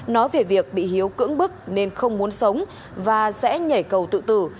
nói về việc bị hiếu cưỡng bức nên không muốn sống và sẽ nhảy cầu tự tử